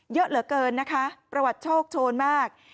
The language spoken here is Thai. เยอะเหลือเกินนะคะประวัติโชคโชนมาก